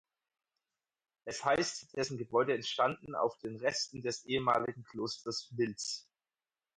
Es heißt, dessen Gebäude entstanden auf den Resten des ehemaligen Klosters Milz.